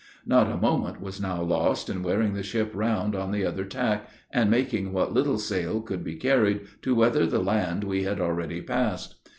Not a moment was now lost in wearing the ship round on the other tack, and making what little sail could be carried, to weather the land we had already passed.